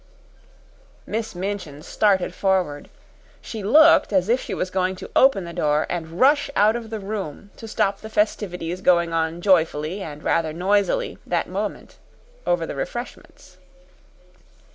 Miss Minchin started forward. She looked as if she was going to open the door and rush out of the room to stop the festivities going on joyfully and rather noisily that moment over the refreshments.